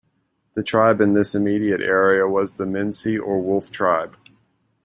The Tribe in this immediate area was the Minsi or Wolf tribe.